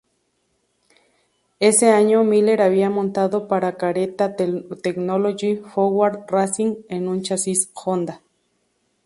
Ese año Miller había montado para Caretta Technology Forward Racing en un chasis Honda.